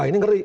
nah ini ngeri